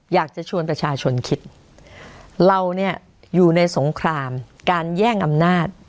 อยากจะชวนประชาชนคิดเราเนี่ยอยู่ในสงครามการแย่งอำนาจ